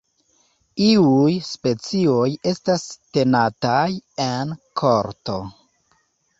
Iuj specioj estas tenataj en korto.